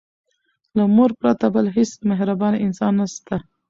له مور پرته بل هيڅ مهربانه انسان نسته.